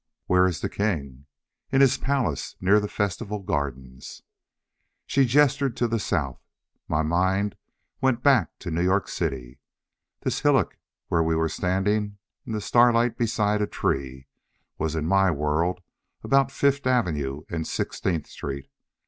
"Where is the king?" "In his palace, near the festival gardens." She gestured to the south. My mind went back to New York City. This hillock, where we were standing in the starlight beside a tree, was in my world about Fifth Avenue and Sixteenth Street.